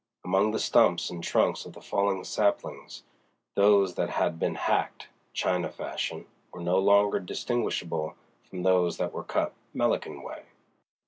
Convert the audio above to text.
Among the stumps and trunks of the fallen saplings, those that had been hacked "China fashion" were no longer distinguishable from those that were cut "'Melican way."